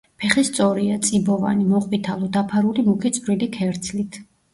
ფეხი სწორია, წიბოვანი, მოყვითალო, დაფარული მუქი წვრილი ქერცლით.